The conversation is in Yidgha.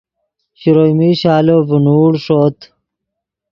شروئے میش آلو ڤینوڑ ݰوت